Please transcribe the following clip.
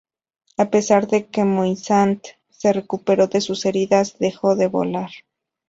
A pesar de que Moisant se recuperó de sus heridas, dejó de volar.